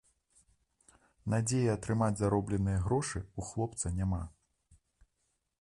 Надзеі атрымаць заробленыя грошы ў хлопца няма.